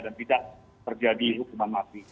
dan tidak terjadi hukuman mafi